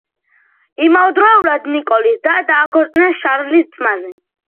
იმავდროულად, ნიკოლის და დააქორწინეს შარლის ძმაზე.